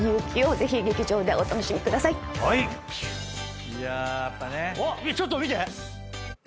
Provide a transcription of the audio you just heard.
ちょっと見て！